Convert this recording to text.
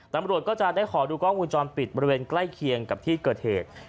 ตำรวจก็จะได้ขอดูกล้องวงจรปิดบริเวณใกล้เคียงกับที่เกิดเหตุ